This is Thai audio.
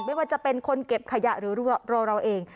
ไม่ว่าจะเป็นคนเก็บขยะหรือตัวเราเอง